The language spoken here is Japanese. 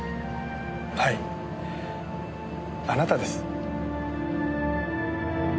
はいあなたです。